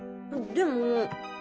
でも。